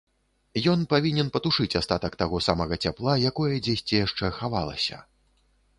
Ён павінен патушыць астатак таго самага цяпла, якое дзесьці яшчэ хавалася.